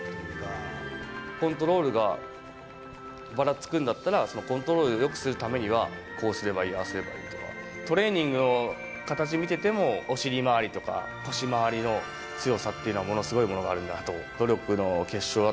コントロールがばらつくんだったら、そのコントロールをよくするためには、こうすればいい、ああすればいいとか、トレーニングの形を見てても、お尻回りとか、腰回りの強さっていうのはものすごいものがあるんだなと。